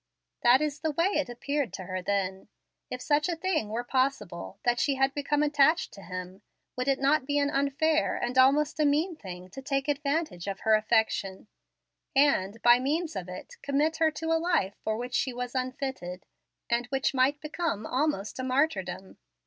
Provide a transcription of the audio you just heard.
That is the way it appeared to her then. If such a thing were possible, that she had become attached to him, would it not be an unfair and almost a mean thing to take advantage of her affection, and, by means of it, commit her to a life for which she was unfitted, and which might become almost a martyrdom?